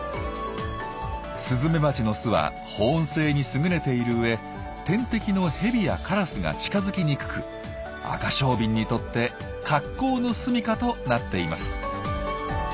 スズメバチの巣は保温性に優れている上天敵のヘビやカラスが近づきにくくアカショウビンにとって格好の住みかとなっています。